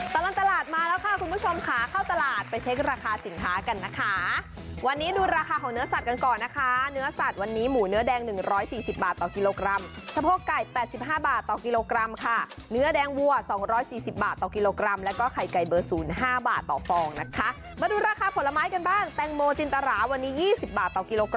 ตลอดตลาดมาแล้วค่ะคุณผู้ชมค่ะเข้าตลาดไปเช็คราคาสินค้ากันนะคะวันนี้ดูราคาของเนื้อสัตว์กันก่อนนะคะเนื้อสัตว์วันนี้หมูเนื้อแดง๑๔๐บาทต่อกิโลกรัมสะโพกไก่๘๕บาทต่อกิโลกรัมค่ะเนื้อแดงวัว๒๔๐บาทต่อกิโลกรัมแล้วก็ไข่ไก่เบอร์ศูนย์ห้าบาทต่อฟองนะคะมาดูราคาผลไม้กันบ้างแตงโมจินตราวันนี้๒๐บาทต่อกิโลกร